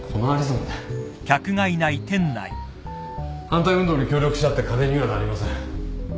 反対運動に協力したって金にはなりません。